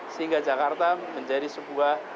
sehingga jakarta menjadi sebuah